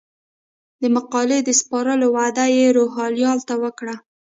د مقالې د سپارلو وعده یې روهیال ته وکړه.